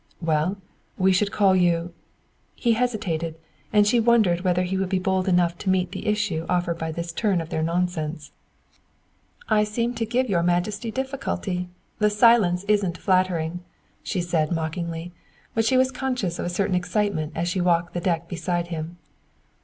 "Well, we should call you " He hesitated, and she wondered whether he would be bold enough to meet the issue offered by this turn of their nonsense. "I seem to give your Majesty difficulty; the silence isn't flattering," she said mockingly; but she was conscious of a certain excitement as she walked the deck beside him.